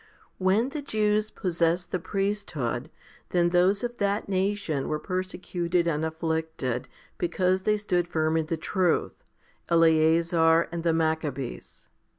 14. When the Jews possessed the priesthood, then those of that nation were persecuted and afflicted, because they stood firm in the truth, Eleazar and the Maccabees.